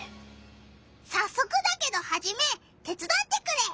さっそくだけどハジメ手つだってくれ！